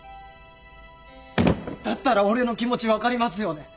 だったら俺の気持ち分かりますよね？